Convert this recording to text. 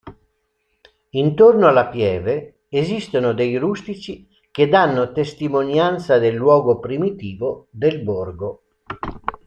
Intorno alla Pieve esistono dei rustici che danno testimonianza del luogo primitivo del borgo.